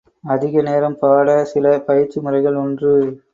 அதிக நேரம் பாட – சில பயிற்சி முறைகள் ஒன்று.